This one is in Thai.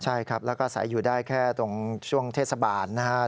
ใช่ครับแล้วก็ใส่อยู่ได้แค่ตรงช่วงเทศบาลนะครับ